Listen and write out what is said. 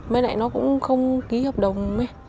mới lại nó cũng không ký hợp đồng